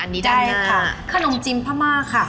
อันนี้ด้านหน้าข้านมจิ้มพะม่าใช่ค่ะ